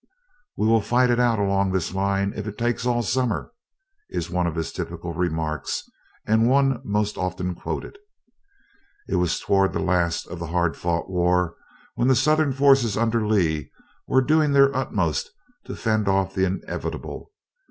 "We will fight it out along this line if it takes all summer," is one of his typical remarks, and one most often quoted. It was toward the last of the hard fought war, when the Southern forces under Lee were doing their utmost to fend off the inevitable.